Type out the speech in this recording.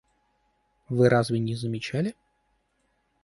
Вы разве не замечали?